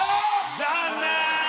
残念！